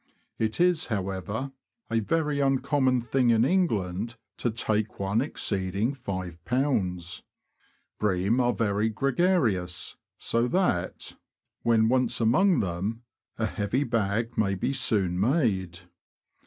It is, however, a very uncommon thing in England to take one exceeding 51b. Bream are very gregarious ; so that, when once among them, a heavy bag may be The Bream. soon made.